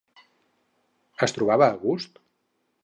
Es trobava a gust?